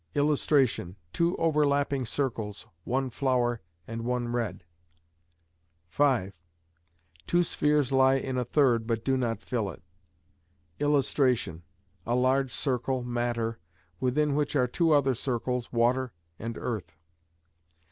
[Illustration: Two overlapping circles, one "flower" and one "red".] (5.) Two spheres lie in a third, but do not fill it. [Illustration: A large circle, "matter", within which are two other circles, "water" and "earth".